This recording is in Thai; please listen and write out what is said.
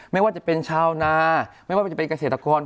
ไม่ว่าจะเป็นชาวนาไม่ว่าจะเป็นเกษตรกร